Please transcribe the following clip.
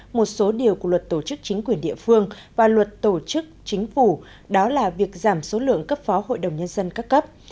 một số điều của luật tổ chức chính quyền địa phương và luật tổ chức chính phủ đó là việc giảm số lượng cấp phó hội đồng nhân dân các cấp